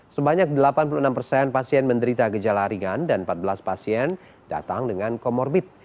sebanyak delapan puluh enam persen pasien menderita gejala ringan dan empat belas pasien datang dengan comorbid